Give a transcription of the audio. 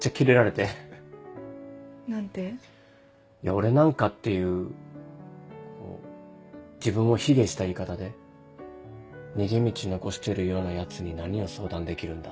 「俺なんかっていう自分を卑下した言い方で逃げ道残してるようなヤツに何を相談できるんだ」